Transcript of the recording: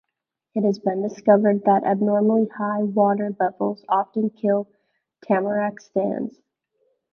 It has also been discovered that abnormally high water levels often kill tamarack stands.